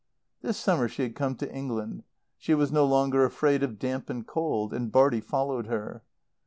This summer she had come to England. She was no longer afraid of damp and cold. And Bartie followed her.